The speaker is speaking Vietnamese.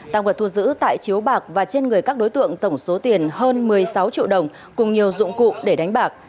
tăng vật thu giữ tại chiếu bạc và trên người các đối tượng tổng số tiền hơn một mươi sáu triệu đồng cùng nhiều dụng cụ để đánh bạc